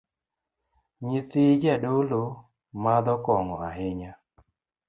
Nyithii jadolo madho kong’o ahinya